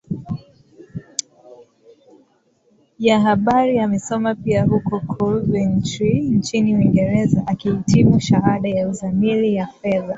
ya Habari Amesoma pia huko Coventry nchini Uingereza akihitimu Shahada ya Uzamili ya Fedha